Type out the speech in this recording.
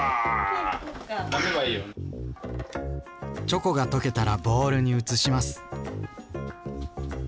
チョコが溶けたらボウルに移します。